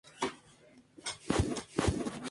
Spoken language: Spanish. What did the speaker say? Zvi Hecker se crio entre Polonia y Samarcanda.